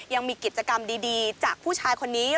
ยังมีกิจกรรมดีจากผู้ชายคนนี้